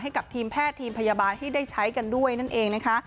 ให้กับทีมแพทย์ทีมพยาบาลที่ได้ใช้กันด้วยนั่นเองนะคะ